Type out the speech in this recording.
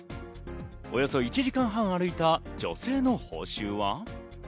およそ１時間半歩いた女性の報酬は。